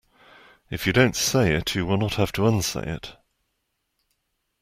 If you don't say it you will not have to unsay it.